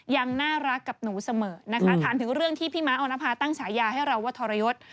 ยังน่ารักกับหนูเสมอนะคะถามถึงเรื่องที่พี่ม้าออนภาตั้งฉายาให้เราว่าทรยศ